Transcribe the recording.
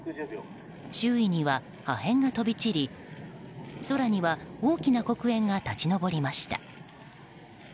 周囲には破片が飛び散り、空には大きな黒煙が立ち上りました。